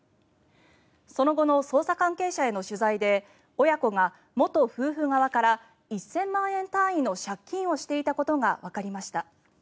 その後の捜査関係者への取材で親子が元夫婦側から１０００万円単位の借金をしていたことがわかりました。